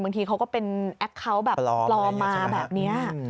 บางทีเขาก็เป็นแอคเคาน์ตรอมาแบบนี้